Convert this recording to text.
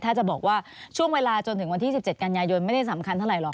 ถ้าจะบอกว่าช่วงเวลาจนถึงวันที่๑๗กันยายนไม่ได้สำคัญเท่าไหรหรอก